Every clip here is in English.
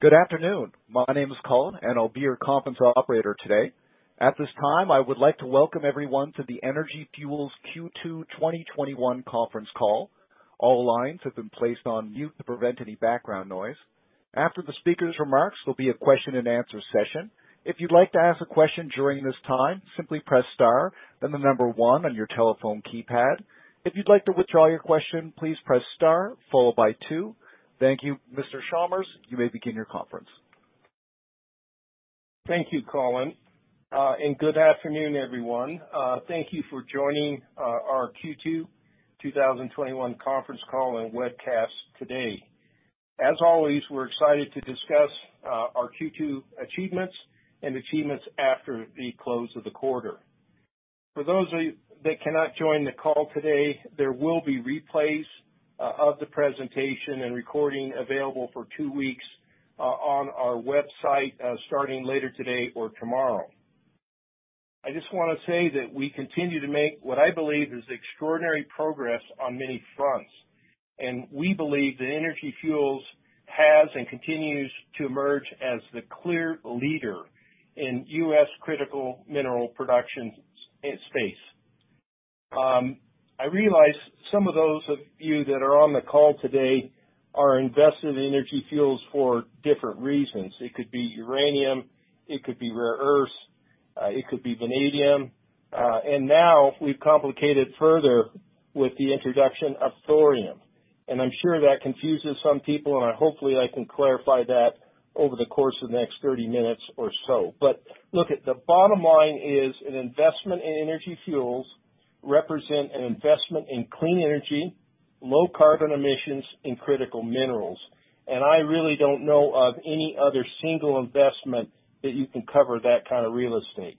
Good afternoon. My name is Colin, and I'll be your conference operator today. At this time, I would like to welcome everyone to the Energy Fuels Q2 2021 conference call. All lines have been placed on mute to prevent any background noise. After the speakers' remarks, there'll be a question-and-answer session. If you'd like to ask a question during this time, simply press star, then the number one on your telephone keypad. If you'd like to withdraw your question, please press star followed by two. Thank you. Mr. Chalmers, you may begin your conference. Thank you, Colin, good afternoon, everyone. Thank you for joining our Q2 2021 conference call and webcast today. As always, we're excited to discuss our Q2 achievements and achievements after the close of the quarter. For those of you that cannot join the call today, there will be replays of the presentation and recording available for two weeks on our website, starting later today or tomorrow. I just want to say that we continue to make what I believe is extraordinary progress on many fronts, and we believe that Energy Fuels has and continues to emerge as the clear leader in U.S. critical mineral production space. I realize some of those of you that are on the call today are invested in Energy Fuels for different reasons. It could be uranium, it could be rare earths, it could be vanadium. Now we've complicated further with the introduction of thorium. I'm sure that confuses some people, and hopefully I can clarify that over the course of the next 30 minutes or so. Look, the bottom line is an investment in Energy Fuels represents an investment in clean energy, low carbon emissions, and critical minerals. I really don't know of any other single investment that you can cover that kind of real estate.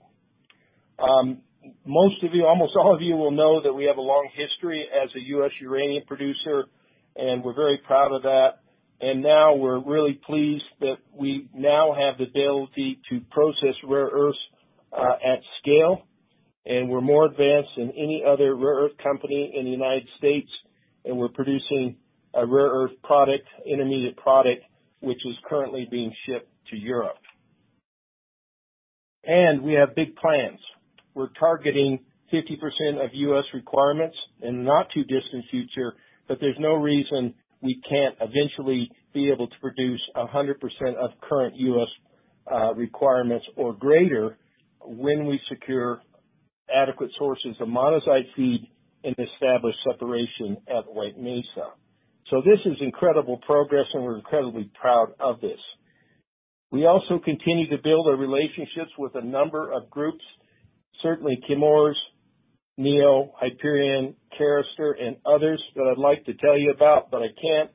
Most of you, almost all of you will know that we have a long history as a U.S. uranium producer, and we're very proud of that. Now we're really pleased that we now have the ability to process rare earths at scale, and we're more advanced than any other rare earth company in the United States, and we're producing a rare earth product, intermediate product, which is currently being shipped to Europe. We have big plans. We're targeting 50% of U.S. requirements in the not too distant future, but there's no reason we can't eventually be able to produce 100% of current U.S. requirements or greater when we secure adequate sources of monazite feed and establish separation at White Mesa. This is incredible progress, and we're incredibly proud of this. We also continue to build our relationships with a number of groups, certainly Chemours, NEO, Hyperion, Carester, and others that I'd like to tell you about, but I can't.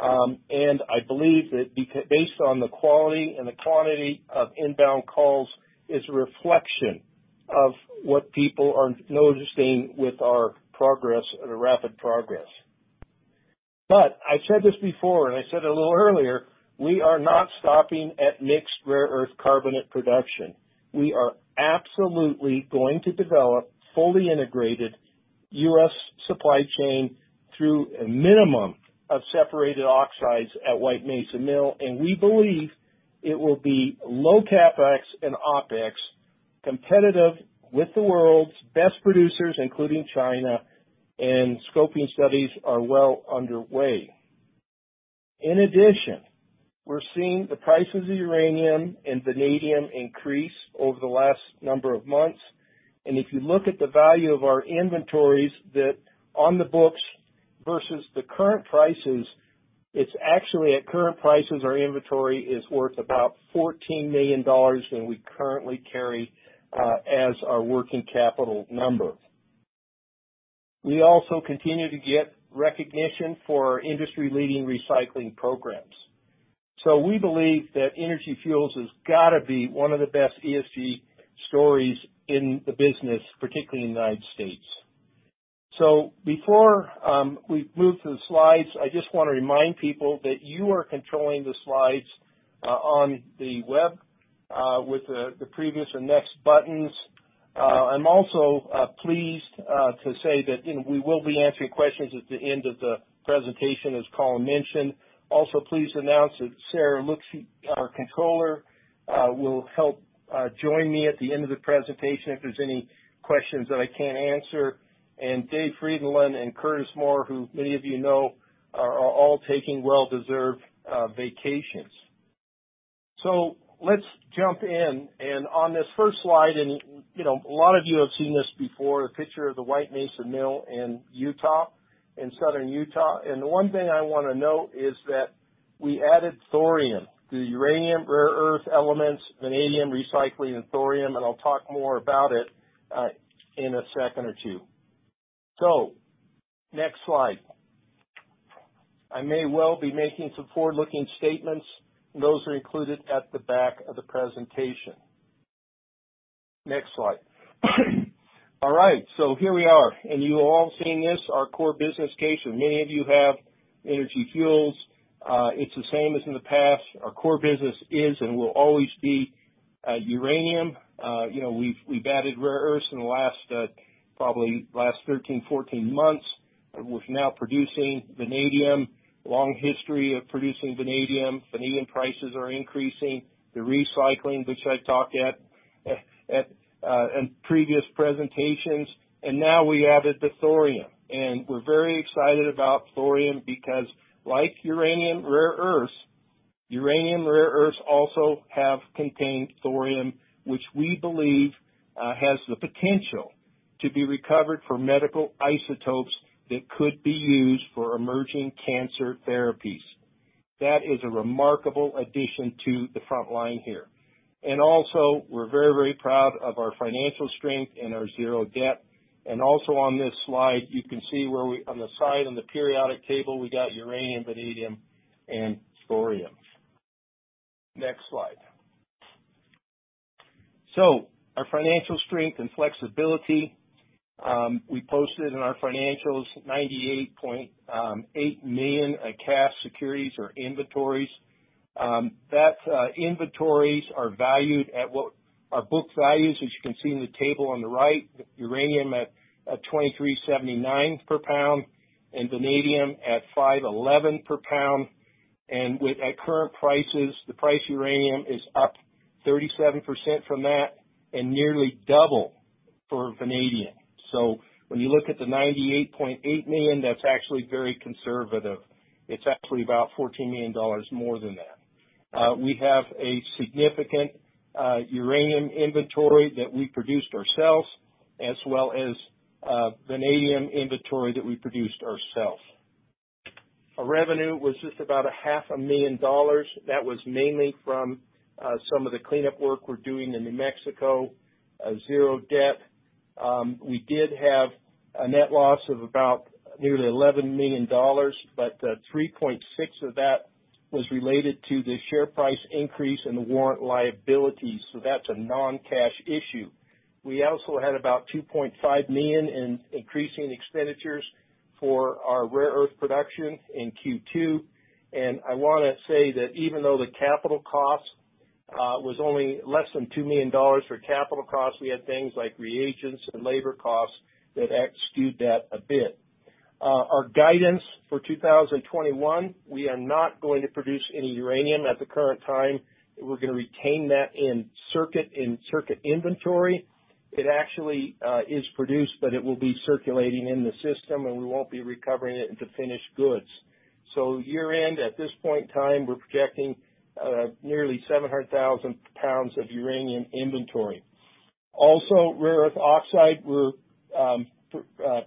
I believe that based on the quality and the quantity of inbound calls, it's a reflection of what people are noticing with our progress and the rapid progress. I said this before, and I said it a little earlier, we are not stopping at mixed rare earth carbonate production. We are absolutely going to develop fully integrated U.S. supply chain through a minimum of separated oxides at White Mesa Mill, and we believe it will be low CapEx and OpEx competitive with the world's best producers, including China, and scoping studies are well underway. In addition, we're seeing the price of the uranium and vanadium increase over the last number of months. If you look at the value of our inventories that on the books versus the current prices, it's actually at current prices, our inventory is worth about $14 million, and we currently carry as our working capital number. We also continue to get recognition for our industry-leading recycling programs. We believe that Energy Fuels has got to be one of the best ESG stories in the business, particularly in the United States. Before we move to the slides, I just want to remind people that you are controlling the slides on the web with the previous and next buttons. I'm also pleased to say that we will be answering questions at the end of the presentation, as Colin mentioned. Also pleased to announce that [Sarah Luchs], our controller, will help join me at the end of the presentation if there's any questions that I can't answer. Dave Friedland and Curtis Moore, who many of you know, are all taking well-deserved vacations. Let's jump in. On this first slide, and a lot of you have seen this before, the picture of the White Mesa Mill in Utah, in Southern Utah. The one thing I want to note is that we added thorium to uranium, rare earth elements, vanadium, recycling, and thorium, and I'll talk more about it in a second or two. Next slide. I may well be making some forward-looking statements. Those are included at the back of the presentation. Next slide. All right, here we are. You've all seen this, our core business case, and many of you have, Energy Fuels. It's the same as in the past. Our core business is and will always be uranium. We've added rare earths in the last, probably last 13, 14 months. We're now producing vanadium. Long history of producing vanadium. Vanadium prices are increasing. The recycling, which I've talked at in previous presentations, and now we added the thorium. We're very excited about thorium because like uranium, rare earths, uranium rare earths also have contained thorium, which we believe has the potential to be recovered for medical isotopes that could be used for emerging cancer therapies. That is a remarkable addition to the front line here. Also, we're very proud of our financial strength and our zero debt. Also on this slide, you can see on the side, on the periodic table, we've got uranium, vanadium, and thorium. Next slide. Our financial strength and flexibility. We posted in our financials $98.8 million cash securities or inventories. That inventories are valued at what our book values, as you can see in the table on the right, uranium at $23.79 per pound and vanadium at $5.11 per pound. At current prices, the price of uranium is up 37% from that and nearly double for vanadium. When you look at the $98.8 million, that's actually very conservative. It's actually about $14 million more than that. We have a significant uranium inventory that we produced ourselves, as well as a vanadium inventory that we produced ourselves. Our revenue was just about a half a million dollars. That was mainly from some of the cleanup work we're doing in New Mexico. Zero debt. We did have a net loss of about nearly $11 million, but $3.6 of that was related to the share price increase and the warrant liability. That's a non-cash issue. We also had about $2.5 million in increasing expenditures for our rare earth production in Q2. I want to say that even though the capital cost was only less than $2 million for capital costs, we had things like reagents and labor costs that skewed that a bit. Our guidance for 2021, we are not going to produce any uranium at the current time. We're going to retain that in circuit inventory. It actually is produced, but it will be circulating in the system, and we won't be recovering it into finished goods. Year-end, at this point in time, we're projecting nearly 700,000 pounds of uranium inventory. Rare earth oxide, we're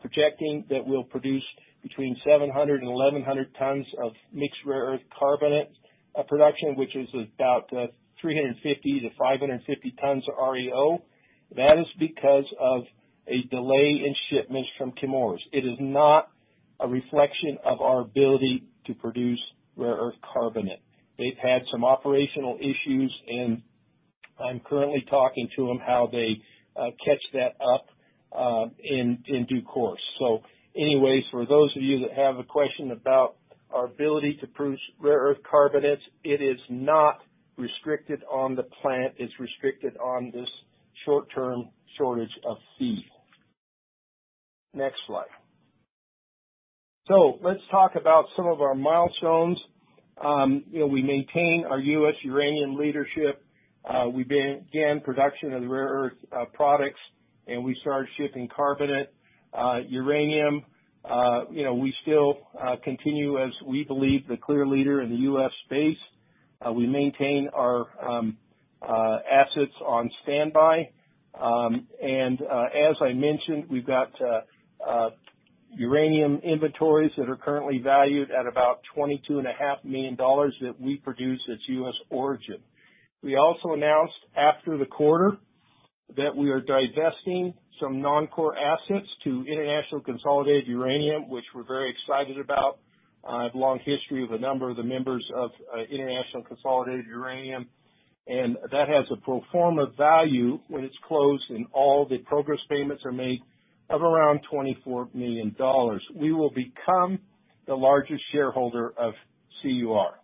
projecting that we'll produce between 700-1,100 tons of mixed rare earth carbonate production, which is about 350-550 tons of REO. That is because of a delay in shipments from Chemours. It is not a reflection of our ability to produce rare earth carbonate. They've had some operational issues, and I'm currently talking to them how they catch that up in due course. Anyways, for those of you that have a question about our ability to produce rare earth carbonates, it is not restricted on the plant, it's restricted on this short-term shortage of feed. Next slide. Let's talk about some of our milestones. We maintain our U.S. uranium leadership. We began production of the rare earth products, and we started shipping carbonate. Uranium, we still continue as we believe, the clear leader in the U.S. space. We maintain our assets on standby. As I mentioned, we've got uranium inventories that are currently valued at about $22.5 million that we produce as U.S. origin. We also announced after the quarter that we are divesting some non-core assets to International Consolidated Uranium, which we're very excited about. I have a long history with a number of the members of International Consolidated Uranium, that has a pro forma value when it's closed and all the progress payments are made of around $24 million. We will become the largest shareholder of CUR.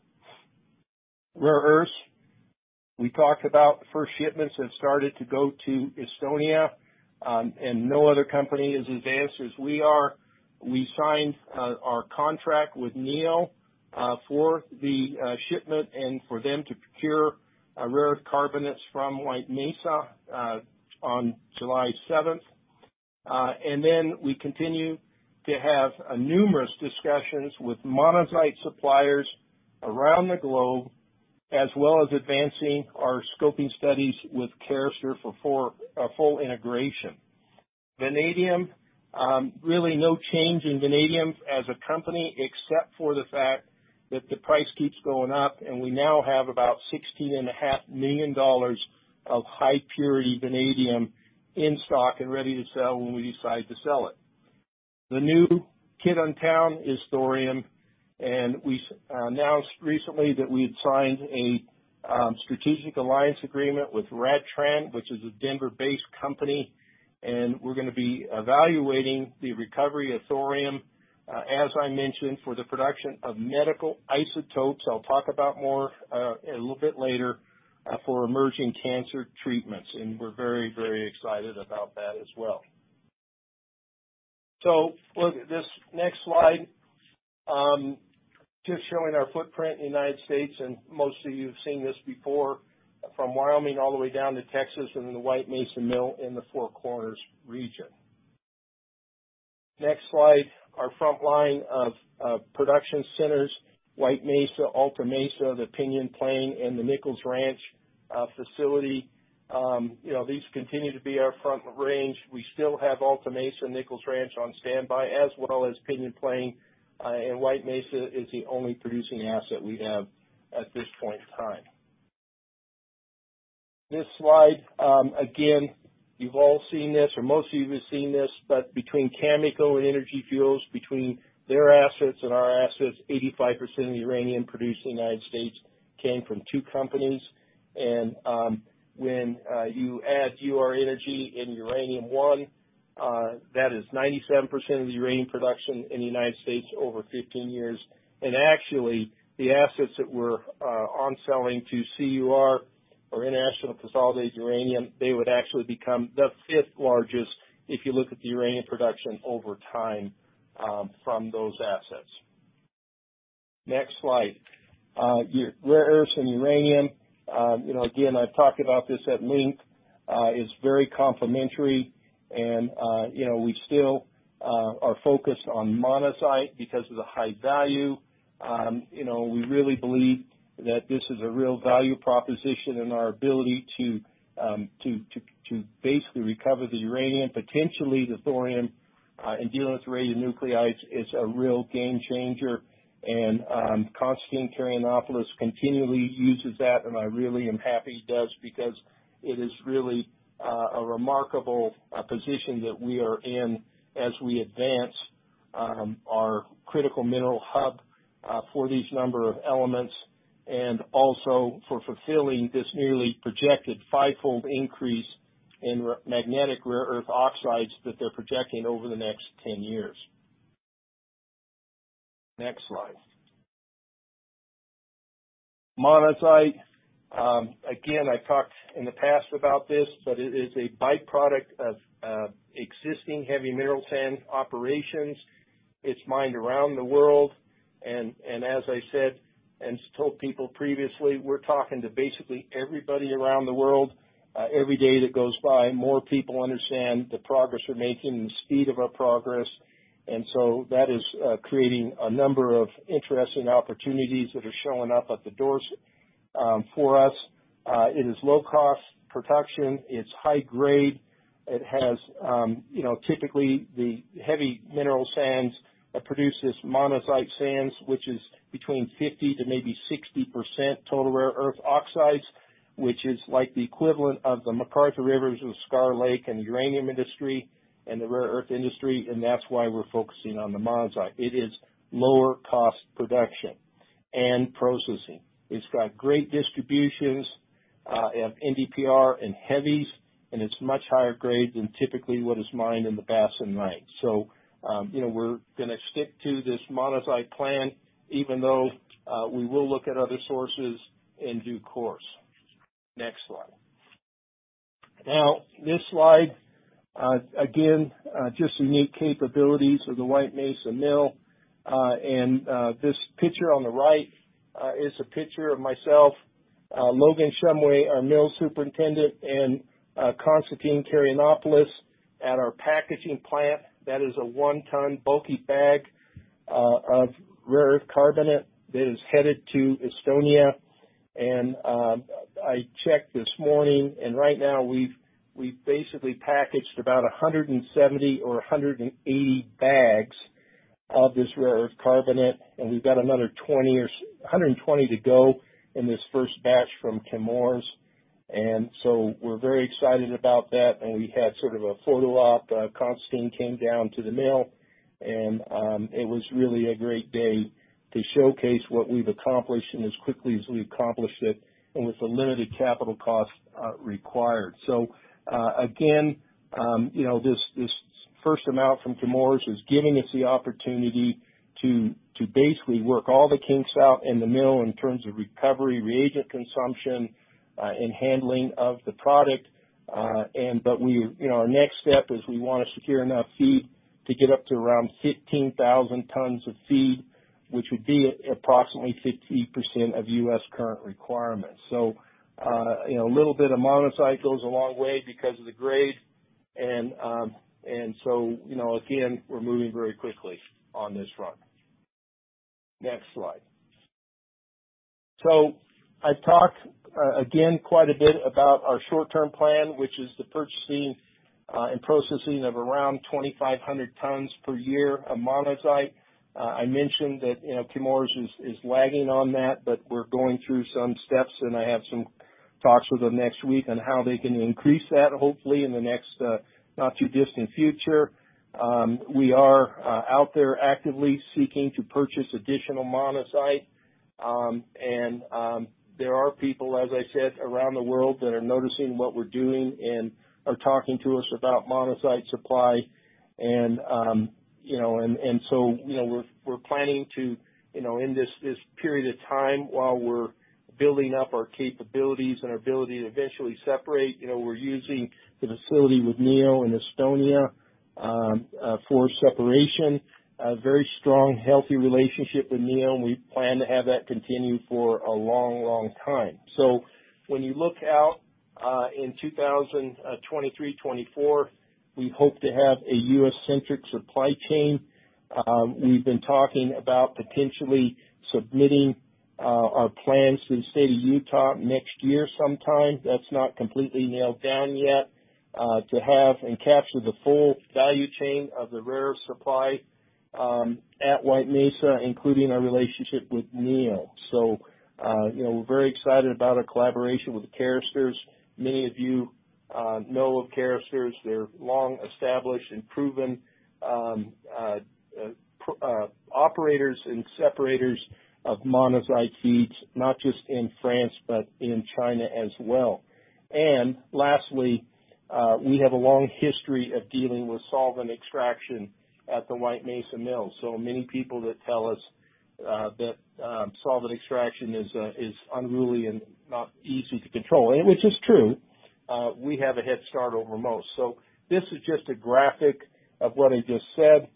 Rare earths, we talked about the first shipments have started to go to Estonia, no other company is as advanced as we are. We signed our contract with NEO for the shipment and for them to procure rare earth carbonates from White Mesa on July 7th. We continue to have numerous discussions with monazite suppliers around the globe, as well as advancing our scoping studies with Carester for a full integration. Vanadium, really no change in vanadium as a company except for the fact that the price keeps going up and we now have about $16.5 million of high purity vanadium in stock and ready to sell when we decide to sell it. The new kid in town is thorium, and we announced recently that we had signed a strategic alliance agreement with RadTran, which is a Denver-based company, and we're going to be evaluating the recovery of thorium, as I mentioned, for the production of medical isotopes. I'll talk about more a little bit later for emerging cancer treatments, and we're very excited about that as well. Look, this next slide, just showing our footprint in the United States, and most of you have seen this before, from Wyoming all the way down to Texas and the White Mesa Mill in the Four Corners region. Next slide, our front line of production centers, White Mesa, Alta Mesa, the Pinyon Plain, and the Nichols Ranch facility. These continue to be our front range. We still have Alta Mesa and Nichols Ranch on standby, as well as Pinyon Plain. White Mesa is the only producing asset we have at this point in time. This slide, again, you've all seen this, or most of you have seen this, but between Cameco and Energy Fuels, between their assets and our assets, 85% of the uranium produced in the U.S. came from two companies. When you add Ur-Energy and Uranium One, that is 97% of the uranium production in the U.S. over 15 years. Actually, the assets that we're on-selling to CUR or International Consolidated Uranium, they would actually become the fifth largest if you look at the uranium production over time from those assets. Next slide. Rare earths and uranium. Again, I've talked about this at length. It's very complementary and we still are focused on monazite because of the high value. We really believe that this is a real value proposition in our ability to basically recover the uranium, potentially the thorium, and dealing with the radionuclides is a real game changer. Constantine Karayannopoulos continually uses that, and I really am happy he does, because it is really a remarkable position that we are in as we advance our critical mineral hub for these number of elements, and also for fulfilling this newly projected five-fold increase in magnetic rare earth oxides that they're projecting over the next 10 years. Next slide. Monazite. Again, I've talked in the past about this, but it is a byproduct of existing heavy mineral sand operations. It's mined around the world and, as I said and told people previously, we're talking to basically everybody around the world. Every day that goes by, more people understand the progress we're making and the speed of our progress. That is creating a number of interesting opportunities that are showing up at the doors for us. It is low-cost production. It's high grade. It has, typically, the heavy mineral sands that produce this monazite sands, which is between 50%-60% total rare earth oxides, which is like the equivalent of the McArthur River and Cigar Lake in the uranium industry and the rare earth industry, and that's why we're focusing on the monazite. It is lower cost production and processing. It's got great distributions of NdPr and heavies, and it's much higher grade than typically what is mined in the basin, right. We're going to stick to this monazite plan, even though we will look at other sources in due course. Next slide. This slide, again, just unique capabilities of the White Mesa Mill. This picture on the right is a picture of myself, Logan Shumway, our mill superintendent, and Constantine Karayannopoulos at our packaging plant. That is a 1-ton bulky bag of rare earth carbonate that is headed to Estonia. I checked this morning, and right now we've basically packaged about 170 or 180 bags of this rare earth carbonate, and we've got another 120 to go in this first batch from Chemours. We're very excited about that, and we had sort of a photo op. Constantine came down to the mill, and it was really a great day to showcase what we've accomplished and as quickly as we accomplished it, and with the limited capital cost required. Again, this first amount from Chemours is giving us the opportunity to basically work all the kinks out in the mill in terms of recovery, reagent consumption, and handling of the product. Our next step is we want to secure enough feed to get up to around 15,000 tons of feed, which would be approximately 50% of U.S. current requirements. A little bit of monazite goes a long way because of the grade, again, we're moving very quickly on this front. Next slide. I've talked, again, quite a bit about our short-term plan, which is the purchasing and processing of around 2,500 tons per year of monazite. I mentioned that Chemours is lagging on that. We're going through some steps. I have some talks with them next week on how they can increase that, hopefully, in the next not too distant future. We are out there actively seeking to purchase additional monazite. There are people, as I said, around the world that are noticing what we're doing and are talking to us about monazite supply. We're planning to, in this period of time, while we're building up our capabilities and our ability to eventually separate, we're using the facility with NEO in Estonia for separation, a very strong, healthy relationship with NEO. We plan to have that continue for a long time. When you look out in 2023, 2024, we hope to have a U.S.-centric supply chain. We've been talking about potentially submitting our plans to the state of Utah next year sometime, that's not completely nailed down yet, to have and capture the full value chain of the rare supply at White Mesa, including our relationship with NEO. We're very excited about our collaboration with Carester. Many of you know of Carester. They're long-established and proven operators and separators of monazite feeds, not just in France, but in China as well. Lastly, we have a long history of dealing with solvent extraction at the White Mesa mill. Many people that tell us that solvent extraction is unruly and not easy to control. Which is true, we have a head start over most. This is just a graphic of what I just said.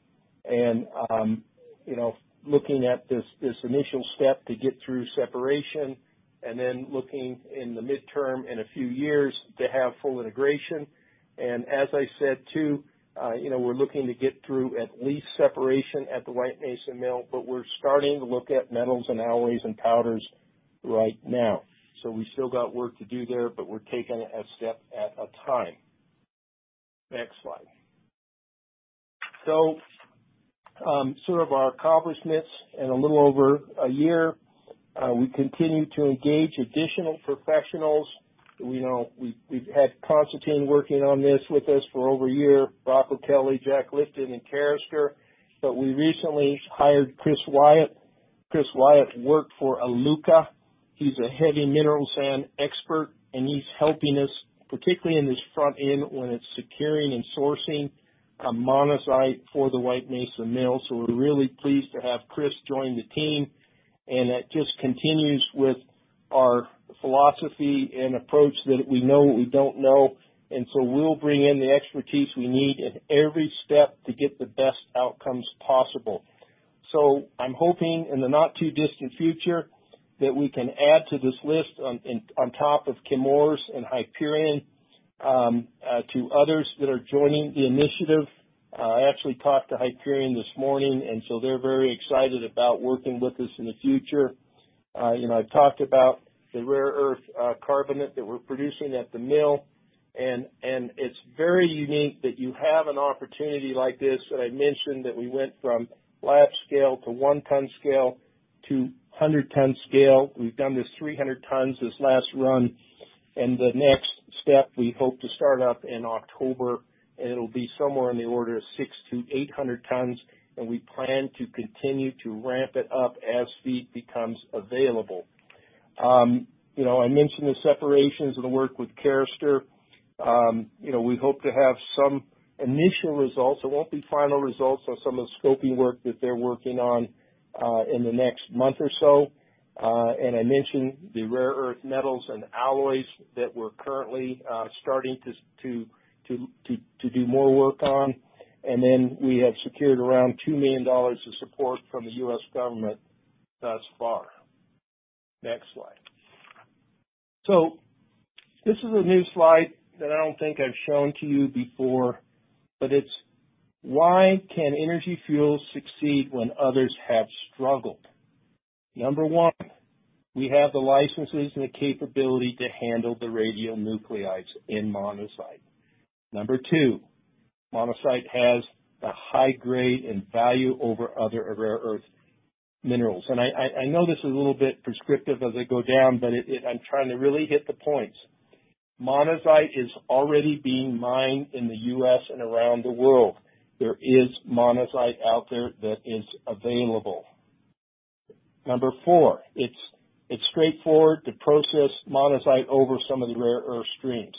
Looking at this initial step to get through separation and then looking in the midterm in a few years to have full integration. As I said too, we're looking to get through at least separation at the White Mesa mill, but we're starting to look at metals and alloys and powders right now. We still got work to do there, but we're taking it a step at a time. Next slide. Some of our accomplishments in a little over a year. We continue to engage additional professionals. We've had Constantine working on this with us for over a year, Brock O'Kelley, Jack Lifton, and Carester. We recently hired Chris Wyatt. Chris Wyatt worked for Iluka. He's a heavy mineral sands expert, and he's helping us, particularly in this front end, when it's securing and sourcing monazite for the White Mesa Mill. We're really pleased to have Chris join the team, that just continues with our philosophy and approach that we know what we don't know, we'll bring in the expertise we need at every step to get the best outcomes possible. I'm hoping in the not-too-distant future that we can add to this list on top of Chemours and Hyperion, to others that are joining the initiative. I actually talked to Hyperion this morning, they're very excited about working with us in the future. I've talked about the rare earth carbonate that we're producing at the mill, it's very unique that you have an opportunity like this. I mentioned that we went from lab scale to 1 ton scale to 100 ton scale. We've done this 300 tons this last run, and the next step we hope to start up in October, and it'll be somewhere in the order of 600 to 800 tons, and we plan to continue to ramp it up as feed becomes available. I mentioned the separations and the work with Carester. We hope to have some initial results. It won't be final results on some of the scoping work that they're working on, in the next month or so. I mentioned the rare earth metals and alloys that we're currently starting to do more work on. We have secured around $2 million of support from the U.S. government thus far. Next slide. This is a new slide that I don't think I've shown to you before, but it's why can Energy Fuels succeed when others have struggled? Number one, we have the licenses and the capability to handle the radionuclides in monazite. Number two, monazite has a high grade and value over other rare earth minerals. I know this is a little bit prescriptive as I go down, but I'm trying to really hit the points. Monazite is already being mined in the U.S. and around the world. There is monazite out there that is available. Number four, it's straightforward to process monazite over some of the rare earth streams.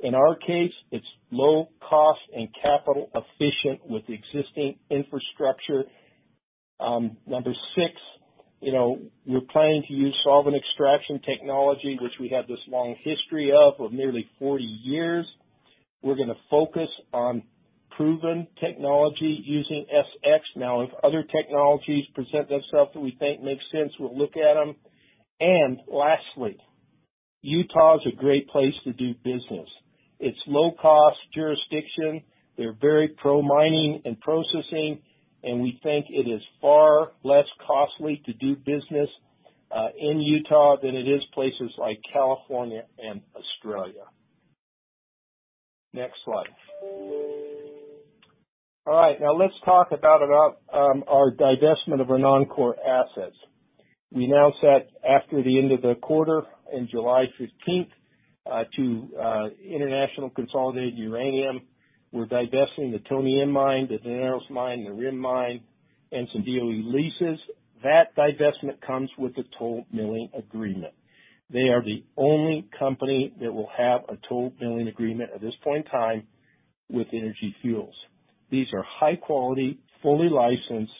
In our case, it's low cost and capital efficient with the existing infrastructure. Number six, we're planning to use solvent extraction technology, which we have this long history of nearly 40 years. We're going to focus on proven technology using SX. If other technologies present themselves that we think make sense, we'll look at them. Lastly, Utah is a great place to do business. It's low cost jurisdiction. They're very pro-mining and processing, and we think it is far less costly to do business in Utah than it is places like California and Australia. Next slide. Now let's talk about our divestment of our non-core assets. We announced that after the end of the quarter in July 15th to International Consolidated Uranium. We're divesting the Tony M Mine, the Generals Mine, the Rim Mine, and some DE leases. That divestment comes with a toll milling agreement. They are the only company that will have a toll milling agreement at this point in time with Energy Fuels. These are high quality, fully licensed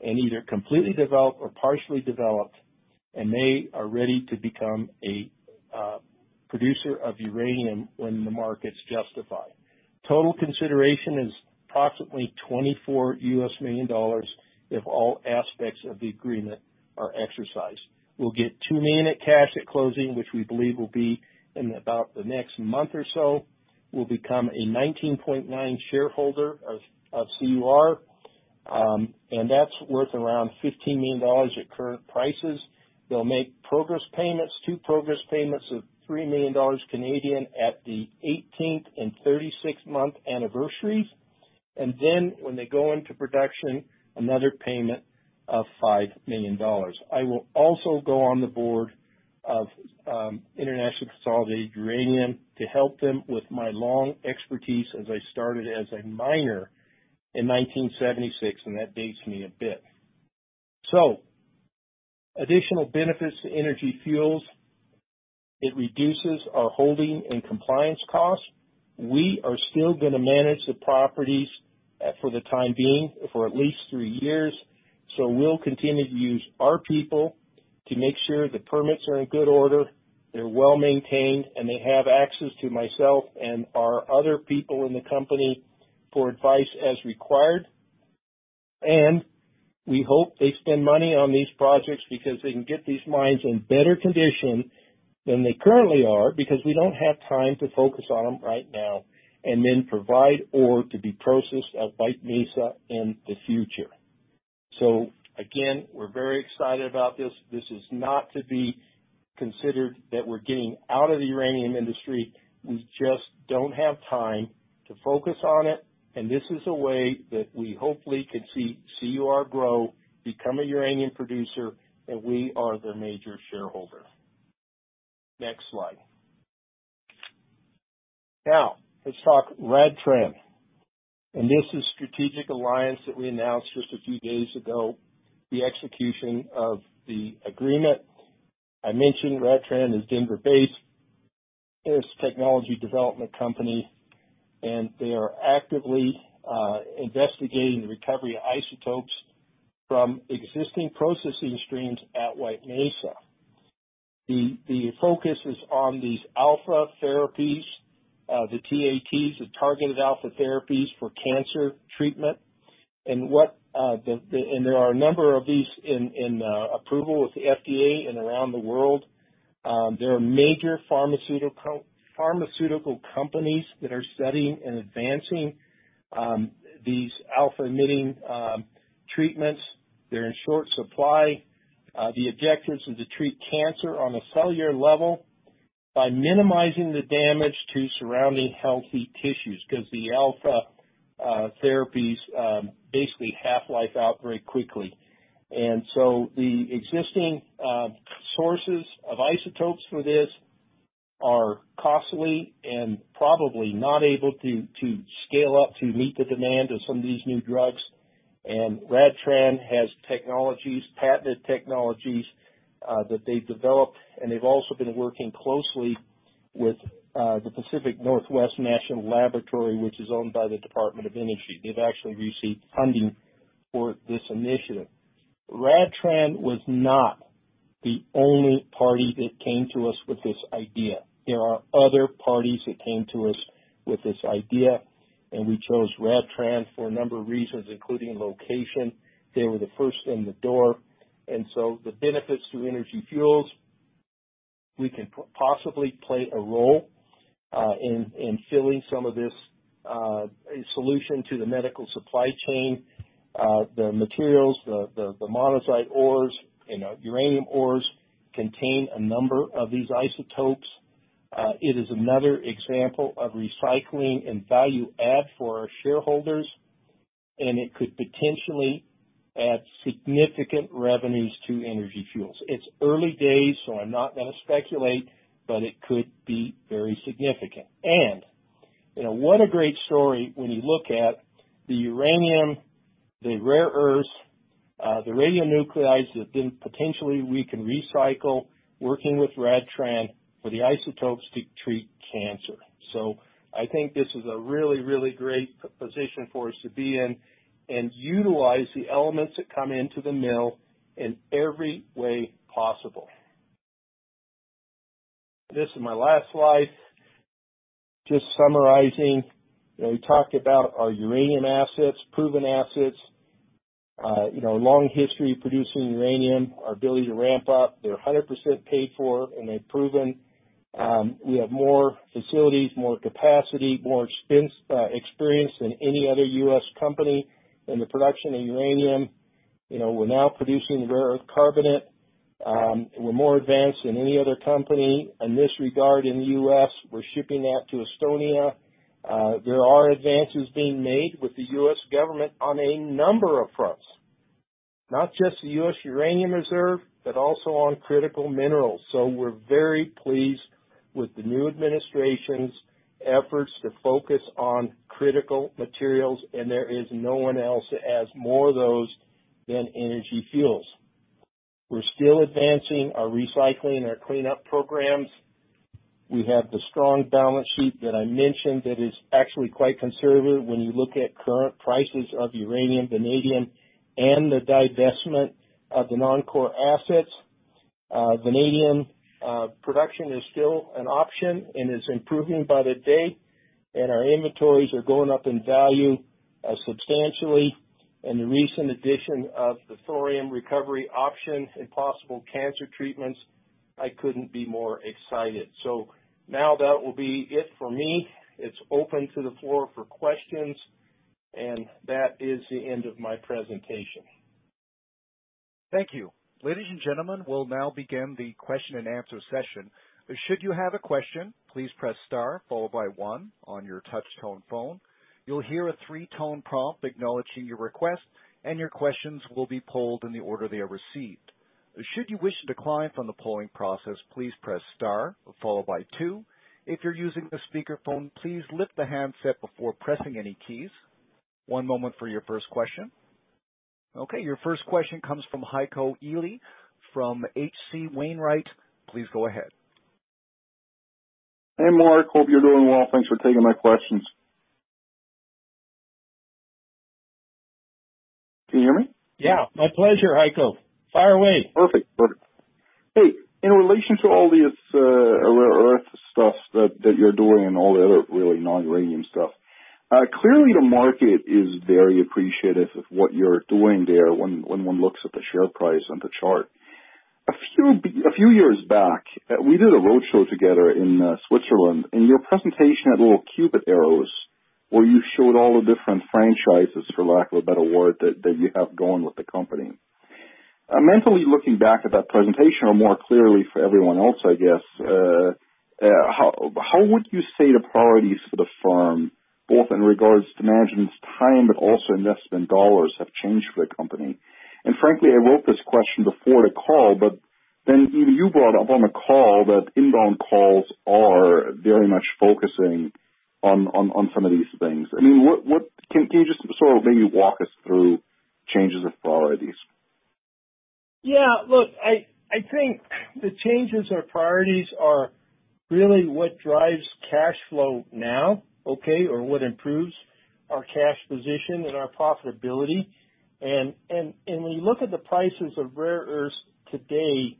and either completely developed or partially developed, and they are ready to become a producer of uranium when the markets justify. Total consideration is approximately $24 million if all aspects of the agreement are exercised. We'll get $2 million at cash at closing, which we believe will be in about the next month or so. We'll become a 19.9 shareholder of CUR. That's worth around $15 million at current prices. They'll make progress payments, two progress payments, of 3 million Canadian dollars at the 18-month and 36-month anniversaries. When they go into production, another payment of $5 million. I will also go on the board of International Consolidated Uranium to help them with my long expertise as I started as a miner in 1976. That dates me a bit. Additional benefits to Energy Fuels, it reduces our holding and compliance costs. We are still going to manage the properties for the time being, for at least three years. We'll continue to use our people to make sure the permits are in good order, they're well maintained, and they have access to myself and our other people in the company for advice as required. We hope they spend money on these projects because they can get these mines in better condition than they currently are because we don't have time to focus on them right now and then provide ore to be processed at White Mesa in the future. Again, we're very excited about this. This is not to be considered that we're getting out of the uranium industry. We just don't have time to focus on it, and this is a way that we hopefully can see CUR grow, become a uranium producer, and we are their major shareholder. Next slide. Now let's talk RadTran. This is strategic alliance that we announced just a few days ago, the execution of the agreement. I mentioned RadTran is Denver-based. It is a technology development company, and they are actively investigating the recovery of isotopes from existing processing streams at White Mesa. The focus is on these alpha therapies, the TATs, the targeted alpha therapies for cancer treatment. There are a number of these in approval with the FDA and around the world. There are major pharmaceutical companies that are studying and advancing these alpha-emitting treatments. They're in short supply. The objective is to treat cancer on a cellular level by minimizing the damage to surrounding healthy tissues, because the alpha therapies basically half-life out very quickly. The existing sources of isotopes for this are costly and probably not able to scale up to meet the demand of some of these new drugs. RadTran has technologies, patented technologies, that they've developed, and they've also been working closely with the Pacific Northwest National Laboratory, which is owned by the Department of Energy. They've actually received funding for this initiative. RadTran was not the only party that came to us with this idea. There are other parties that came to us with this idea, and we chose RadTran for a number of reasons, including location. They were the first in the door. The benefits to Energy Fuels, we can possibly play a role in filling some of this solution to the medical supply chain. The materials, the monazite ores and our uranium ores contain a number of these isotopes. It is another example of recycling and value add for our shareholders, and it could potentially add significant revenues to Energy Fuels. It's early days, so I'm not going to speculate, but it could be very significant. What a great story when you look at the uranium, the rare earths, the radionuclides that then potentially we can recycle working with RadTran for the isotopes to treat cancer. I think this is a really, really great position for us to be in and utilize the elements that come into the mill in every way possible. This is my last slide. Just summarizing. We talked about our uranium assets, proven assets, long history of producing uranium, our ability to ramp up. They're 100% paid for, and they're proven. We have more facilities, more capacity, more experience than any other U.S. company in the production of uranium. We're now producing rare earth carbonate. We're more advanced than any other company in this regard in the U.S. We're shipping that to Estonia. There are advances being made with the U.S. government on a number of fronts, not just the U.S. Uranium Reserve, but also on critical minerals. We're very pleased with the new administration's efforts to focus on critical minerals, and there is no one else that has more of those than Energy Fuels. We're still advancing our recycling, our cleanup programs. We have the strong balance sheet that I mentioned that is actually quite conservative when you look at current prices of uranium, vanadium, and the divestment of the non-core assets. Vanadium production is still an option and is improving by the day, and our inventories are going up in value substantially. The recent addition of the thorium recovery option and possible cancer treatments, I couldn't be more excited. Now that will be it for me. It's open to the floor for questions, and that is the end of my presentation. Thank you. Ladies and gentlemen, we'll now begin the question-and-answer session. Your first question comes from Heiko Ihle from H.C. Wainwright. Please go ahead. Hey, Mark. Hope you're doing well. Thanks for taking my questions. Can you hear me? Yeah. My pleasure, Heiko. Fire away. Perfect. Hey, in relation to all this rare earth stuff that you're doing and all the other really non-uranium stuff, clearly the market is very appreciative of what you're doing there when one looks at the share price on the chart. A few years back, we did a roadshow together in Switzerland. In your presentation had little cupid arrows where you showed all the different franchises, for lack of a better word, that you have going with the company. Mentally looking back at that presentation or more clearly for everyone else, I guess, how would you say the priorities for the firm, both in regards to management's time, but also investment dollars, have changed for the company? Frankly, I wrote this question before the call, but then even you brought up on the call that inbound calls are very much focusing on some of these things. Can you just sort of maybe walk us through changes of priorities? Yeah, look, I think the changes or priorities are really what drives cash flow now, okay? What improves our cash position and our profitability. When you look at the prices of rare earths today,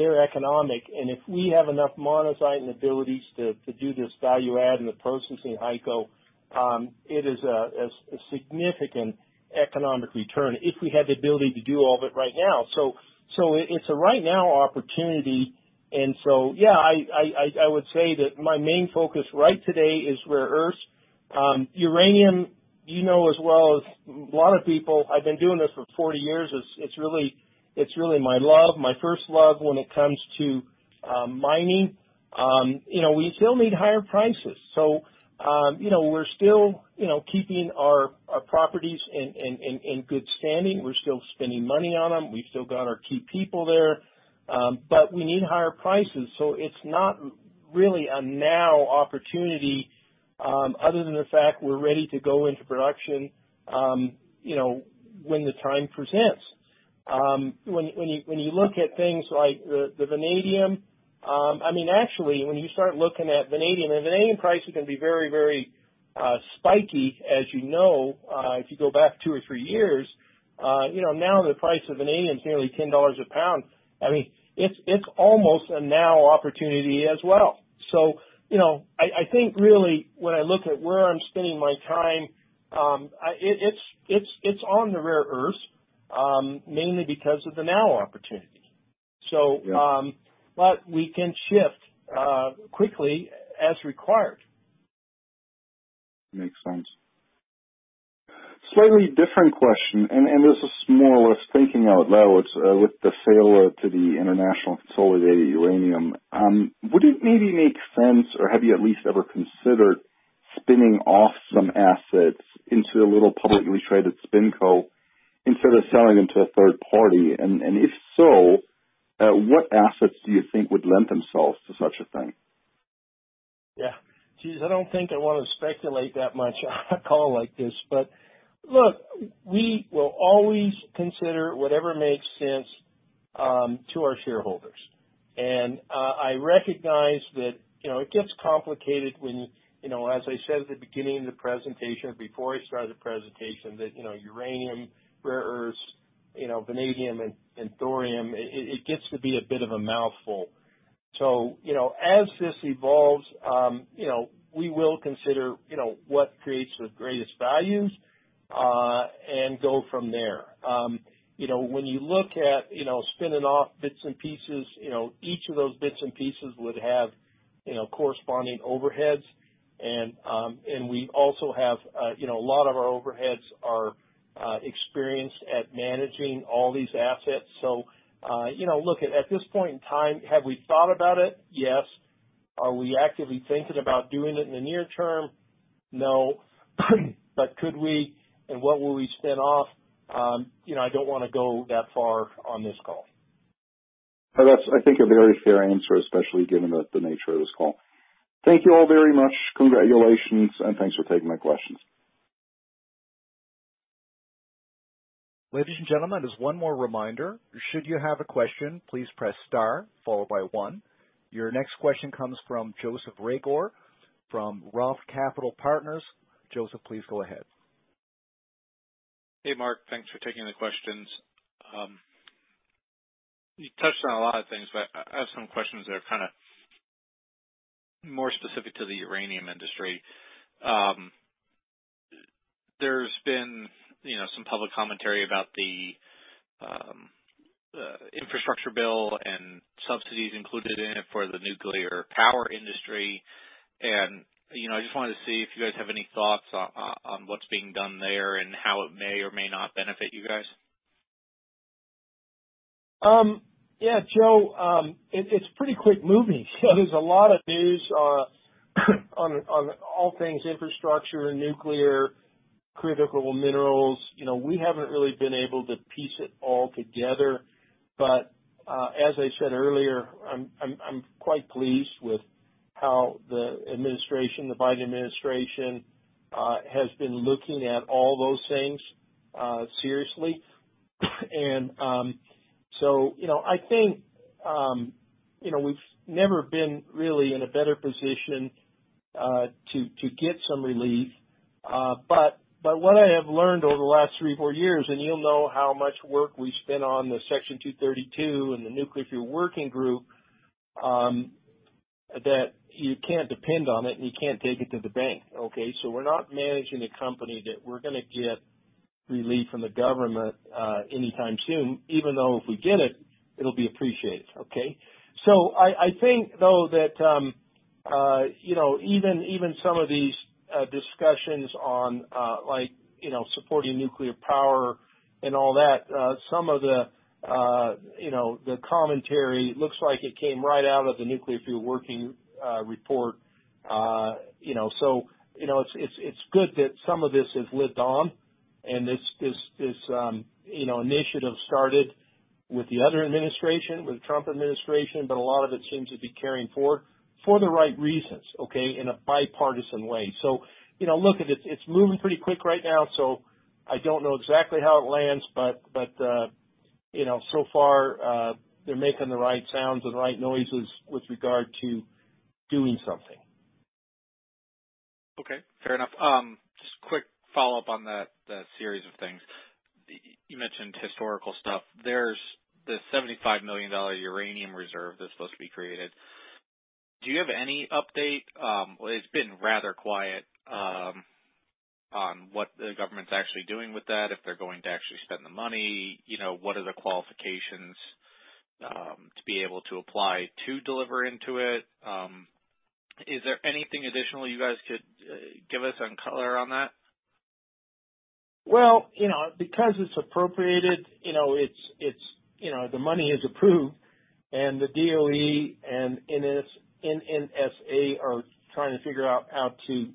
they're economic. If we have enough monazite and abilities to do this value add and the processing, Heiko, it is a significant economic return if we had the ability to do all of it right now. It's a right now opportunity. Yeah, I would say that my main focus right today is rare earths. Uranium, you know as well as a lot of people, I've been doing this for 40 years. It's really my love, my first love when it comes to mining. We still need higher prices. We're still keeping our properties in good standing. We're still spending money on them. We've still got our key people there. We need higher prices. It's not really a now opportunity, other than the fact we're ready to go into production when the time presents. Actually, when you start looking at vanadium, and vanadium prices can be very spiky, as you know, if you go back two or three years. Now the price of vanadium is nearly $10 a pound. It's almost a now opportunity as well. I think really when I look at where I'm spending my time, it's on the rare earths, mainly because of the now opportunity. Yeah. We can shift quickly as required. Makes sense. Slightly different question, this is more or less thinking out loud with the sale to International Consolidated Uranium. Would it maybe make sense or have you at least ever considered spinning off some assets into a little publicly traded spin co instead of selling them to a third party? If so, what assets do you think would lend themselves to such a thing? Yeah. Geez, I don't think I want to speculate that much on a call like this. Look, we will always consider whatever makes sense to our shareholders. I recognize that it gets complicated when, as I said at the beginning of the presentation, before I started the presentation, that uranium, rare earths, vanadium and thorium, it gets to be a bit of a mouthful. As this evolves, we will consider what creates the greatest value, and go from there. When you look at spinning off bits and pieces, each of those bits and pieces would have corresponding overheads. We also have, a lot of our overheads are experienced at managing all these assets. Look, at this point in time, have we thought about it? Yes. Are we actively thinking about doing it in the near-term? No. Could we? What will we spin off? I don't want to go that far on this call. No, that's, I think, a very fair answer, especially given the nature of this call. Thank you all very much. Congratulations, and thanks for taking my questions. Ladies and gentlemen, just one more reminder. Should you have a question, please press star followed by one. Your next question comes from Joseph Reagor from Roth Capital Partners. Joseph, please go ahead. Hey, Mark. Thanks for taking the questions. You touched on a lot of things, but I have some questions that are more specific to the uranium industry. There's been some public commentary about the infrastructure bill and subsidies included in it for the nuclear power industry, and I just wanted to see if you guys have any thoughts on what's being done there and how it may or may not benefit you guys. Yeah, Joe, it's pretty quick moving. There's a lot of news on all things infrastructure, nuclear, critical minerals. We haven't really been able to piece it all together, but as I said earlier, I'm quite pleased with how the Biden administration has been looking at all those things seriously. I think we've never been really in a better position to get some relief. What I have learned over the last three, four years, and you'll know how much work we spent on the Section 232 and the Nuclear Fuel Working Group, that you can't depend on it, and you can't take it to the bank. Okay? We're not managing a company that we're going to get relief from the government anytime soon, even though if we get it'll be appreciated. Okay? I think, though, that even some of these discussions on supporting nuclear power and all that, some of the commentary looks like it came right out of the Nuclear Fuel Working Group report. It's good that some of this has lived on and this initiative started with the other administration, with the Trump administration, but a lot of it seems to be carrying forward for the right reasons, okay? In a bipartisan way. Look, it's moving pretty quick right now, I don't know exactly how it lands, so far they're making the right sounds and the right noises with regard to doing something. Okay, fair enough. Just a quick follow-up on that series of things. You mentioned historical stuff. There's the $75 million Uranium Reserve that's supposed to be created. Do you have any update? It's been rather quiet on what the government's actually doing with that, if they're going to actually spend the money. What are the qualifications to be able to apply to deliver into it? Is there anything additional you guys could give us on color on that? Because it's appropriated, the money is approved, and the DOE and NNSA are trying to figure out how to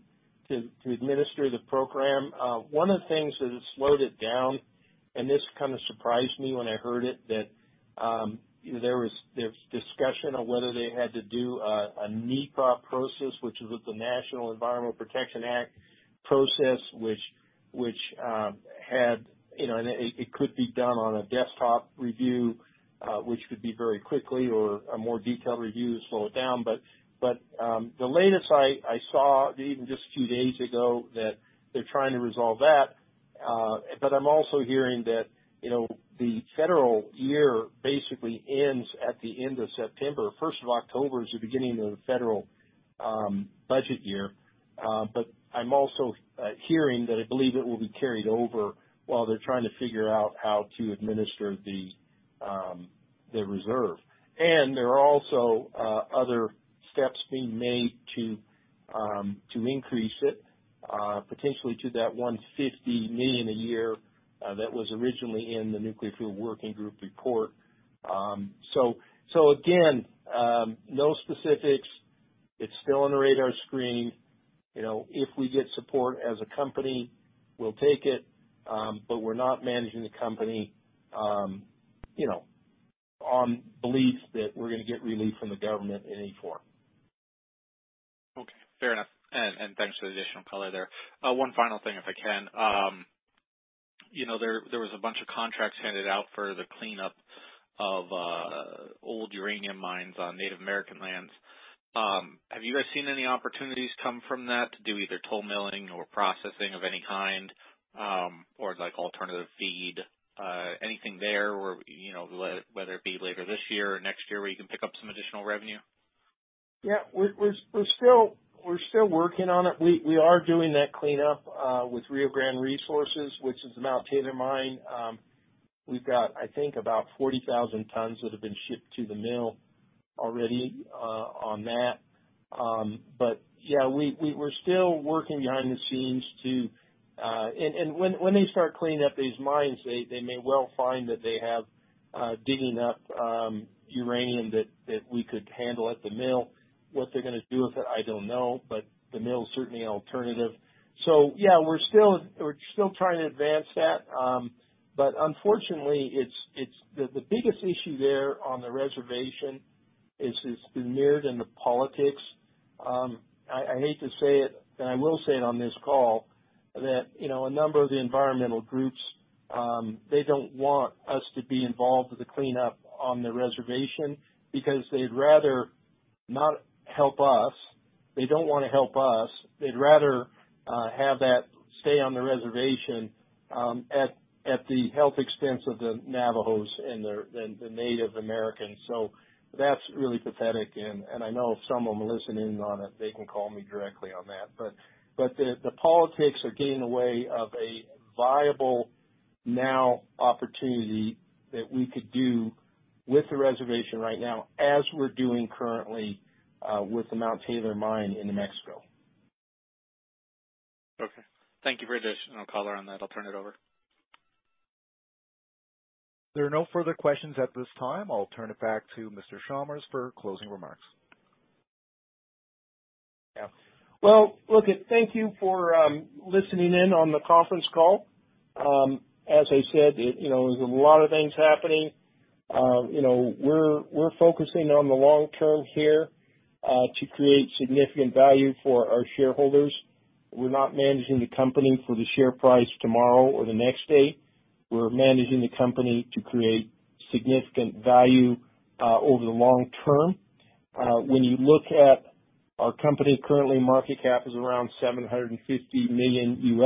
administer the program. One of the things that has slowed it down, and this kind of surprised me when I heard it, that there was discussion on whether they had to do a NEPA process, which is with the National Environmental Policy Act process, which it could be done on a desktop review, which could be very quickly, or a more detailed review to slow it down. The latest I saw, even just a few days ago, that they're trying to resolve that. I'm also hearing that the federal year basically ends at the end of September. 1st of October is the beginning of the federal budget year. I'm also hearing that I believe it will be carried over while they're trying to figure out how to administer the reserve. There are also other steps being made to increase it, potentially to that $150 million a year that was originally in the Nuclear Fuel Working Group report. Again, no specifics. It's still on the radar screen. If we get support as a company, we'll take it. We're not managing the company on beliefs that we're going to get relief from the government in any form. Okay, fair enough. Thanks for the additional color there. One final thing, if I can. There was a bunch of contracts handed out for the cleanup of old uranium mines on Native American lands. Have you guys seen any opportunities come from that to do either toll milling or processing of any kind or alternative feed? Anything there, whether it be later this year or next year, where you can pick up some additional revenue? Yeah. We're still working on it. We are doing that cleanup with Rio Grande Resources, which is the Mount Taylor mine. We've got, I think, about 40,000 tons that have been shipped to the mill already on that. Yeah, we're still working behind the scenes. When they start cleaning up these mines, they may well find that they have digging up uranium that we could handle at the mill. What they're going to do with it, I don't know, but the mill's certainly an alternative. Yeah, we're still trying to advance that. Unfortunately, the biggest issue there on the reservation is it's mired into politics. I hate to say it, and I will say it on this call, that a number of the environmental groups, they don't want us to be involved with the cleanup on the reservation because they'd rather not help us. They don't want to help us. They'd rather have that stay on the reservation at the health expense of the Navajos and the Native Americans. That's really pathetic, and I know if some of them are listening in on it, they can call me directly on that. The politics are getting in the way of a viable now opportunity that we could do with the reservation right now, as we're doing currently with the Mount Taylor mine in New Mexico. Okay. Thank you for that. I'll call her on that. I'll turn it over. There are no further questions at this time. I'll turn it back to Mr. Chalmers for closing remarks. Yeah. Well, look it, thank you for listening in on the conference call. As I said, there's a lot of things happening. We're focusing on the long-term here, to create significant value for our shareholders. We're not managing the company for the share price tomorrow or the next day. We're managing the company to create significant value over the long-term. When you look at our company currently, market cap is around $750 million.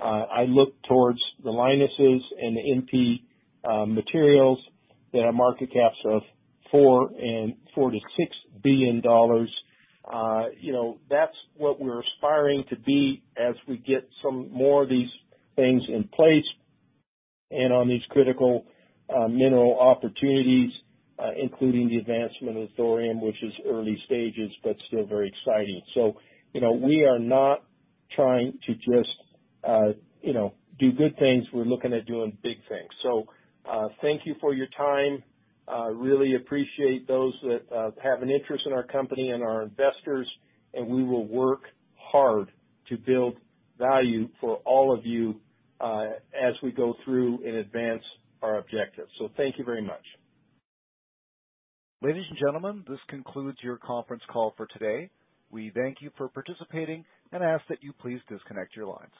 I look towards the Lynases and the MP Materials that have market caps of $4 billion-$6 billion. That's what we're aspiring to be as we get some more of these things in place and on these critical mineral opportunities, including the advancement of thorium, which is early stages, but still very exciting. We are not trying to just do good things. We're looking at doing big things. Thank you for your time. Really appreciate those that have an interest in our company, and our investors, and we will work hard to build value for all of you as we go through and advance our objectives. Thank you very much. Ladies and gentlemen, this concludes your conference call for today. We thank you for participating and ask that you please disconnect your lines.